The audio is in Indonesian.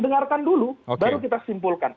dengarkan dulu baru kita simpulkan